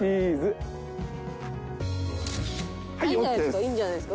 いいんじゃないっすか。